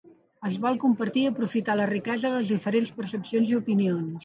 Es vol compartir i aprofitar la riquesa de les diferents percepcions i opinions.